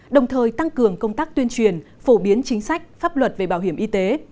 đồng thời tăng cường công tác tuyên truyền phổ biến chính sách pháp luật về bảo hiểm y tế